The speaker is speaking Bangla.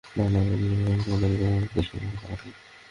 লাল বাতি দেখার সঙ্গে সঙ্গে দাঁড়িয়ে পড়ে গাড়ি, রাস্তা যতই ফাঁকা থাক।